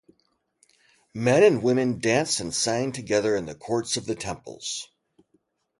Men and women danced and sang together in the courts of the temples.